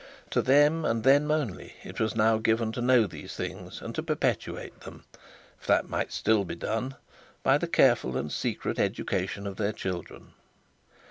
To them and them only was it now given to know these things, and to perpetuate them, if that might still be done, by the careful and secret education of their children.